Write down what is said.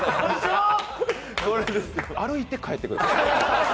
歩いて帰ってください。